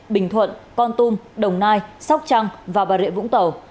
bình thuận con tum đồng nai sóc trăng và bà rịa vũng tàu